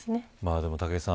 でも武井さん